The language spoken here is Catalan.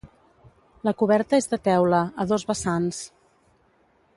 La coberta és de teula, a dos vessants.